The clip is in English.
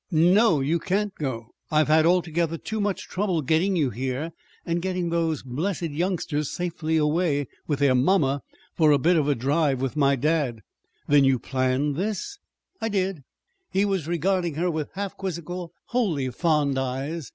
"No, you can't go. I've had altogether too much trouble getting you here, and getting those blessed youngsters safely away with their mamma for a bit of a drive with my dad." "Then you planned this?" "I did." He was regarding her with half quizzical, wholly fond eyes.